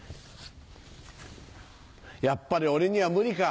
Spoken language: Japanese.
やっぱり俺には無理か。